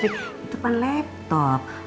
itu kan laptop